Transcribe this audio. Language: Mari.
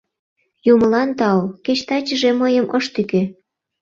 Юмылан тау, кеч тачыже мыйым ыш тӱкӧ.